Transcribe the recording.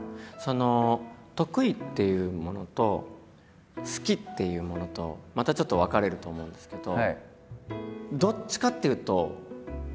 得意っていうものと好きっていうものとまたちょっと分かれると思うんですけど。